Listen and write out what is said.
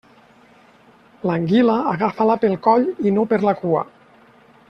L'anguila, agafa-la pel coll i no per la cua.